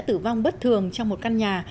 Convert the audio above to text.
tử vong bất thường trong một căn nhà